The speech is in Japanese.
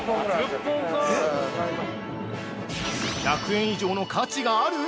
◆１００円以上の価値がある！？